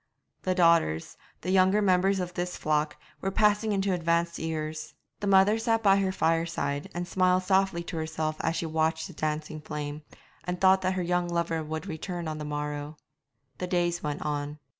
The daughters, the younger members of this flock, were passing into advanced years. The mother sat by her fireside, and smiled softly to herself as she watched the dancing flame, and thought that her young lover would return on the morrow. The days went on.